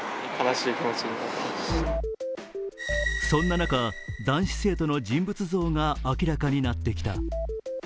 そんな中、男子生徒の人物像が明らかになってきた。